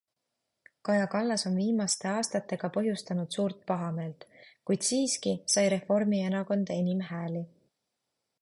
Kaja Kallas on viimaste aastatega põhjustanud suurt pahameelt, kuid siiski sai Reformierakond enim hääli.